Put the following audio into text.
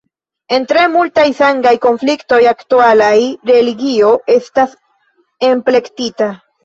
En tre multaj sangaj konfliktoj aktualaj religio estas enplektita.